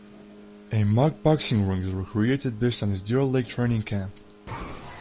A mock boxing ring is recreated based on his Deer Lake Training Camp.